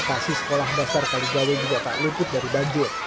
lokasi sekolah dasar kaligawe juga tak luput dari banjir